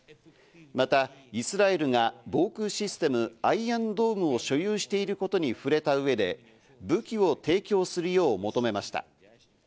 また、イスラエルが防空システム、アイアンドームを所有していることに触れた上で武器を提供するよう求めました。